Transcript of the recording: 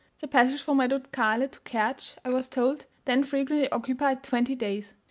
The passage from Redutkale to Kertsch, I was told, then frequently occupied twenty days.